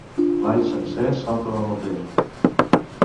L'all sencer salta del morter.